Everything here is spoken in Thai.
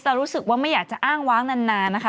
รู้สึกว่าไม่อยากจะอ้างว้างนานนะคะ